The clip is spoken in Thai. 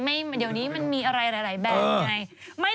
เมื่อเงี๊ยวนี้มันมีอะไรหลายแบบ